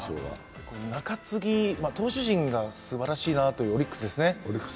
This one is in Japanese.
中継ぎ、投手陣がすばらしいなと、オリックスですね。